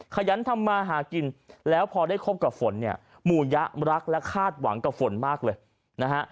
ขยันทำมาหากินแล้วพอได้คบกับฝนเนี่ยหมู่ยะรักและคาดหวังกับฝนมากเลยนะฮะ